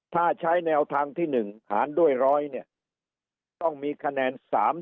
ถ้าใช้แนวทางที่๑หารด้วย๑๐๐เนี่ยต้องมีคะแนน๓๐